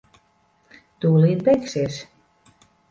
Tūlīt beigsies.